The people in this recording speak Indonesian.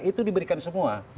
itu diberikan semua